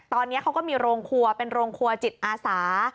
ตอนนี้เขาก็มีโรงครัวเป็นโรงครัวจิตอาสา